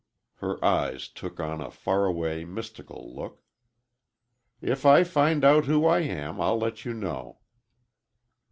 Her eyes took on a faraway, mystical look. "If I find out who I am, I'll let you know."